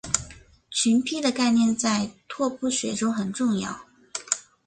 群胚的概念在拓扑学中很重要。